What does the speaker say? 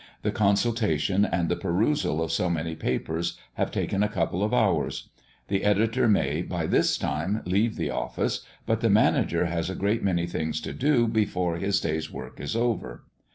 The consultation, and the perusal of so many papers, have taken a couple of hours. The editor may, by this time, leave the office, but the manager has a great many things to do before his day's work is over.